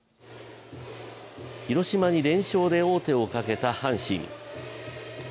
広島に連勝で王手をかけた阪神。